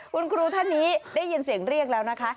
คุณครูท่านนี้ได้ยินเสียงเรียกแล้วนะคะ